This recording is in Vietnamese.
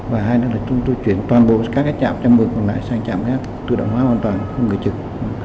và hai nữa là chúng tôi chuyển toàn bộ các chạm chăm mược còn lại sang chạm gác tự động hóa hoàn toàn không người trực